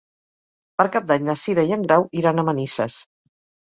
Per Cap d'Any na Cira i en Grau iran a Manises.